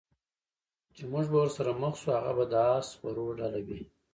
چې موږ به ورسره مخ شو، هغه به د اس سپرو ډله وي.